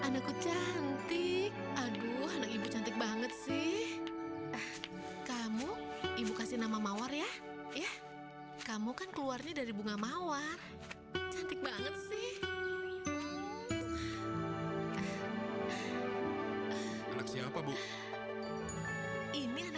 sampai jumpa di video selanjutnya